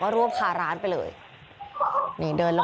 ตำรวจมาก็ไล่ตามกล้องมูลจอมปิดมาเจอแล้วแหละ